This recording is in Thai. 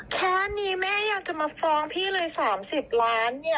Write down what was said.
แค่นี้แม่อยากจะมาฟ้องพี่เลย๓๐ล้านเนี่ย